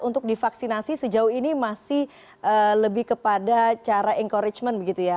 untuk divaksinasi sejauh ini masih lebih kepada cara encouragement begitu ya